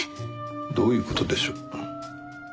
どういう事でしょう？